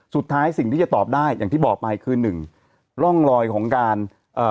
สิ่งที่จะตอบได้อย่างที่บอกไปคือหนึ่งร่องรอยของการเอ่อ